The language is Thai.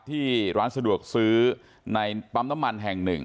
ที่ร้านสะดวกซื้อในปั๊มน้ำมันแห่งหนึ่ง